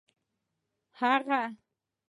هغه